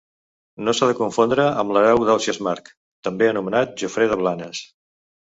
No s'ha de confondre amb l'hereu d'Ausiàs Marc, també anomenat Jofré de Blanes.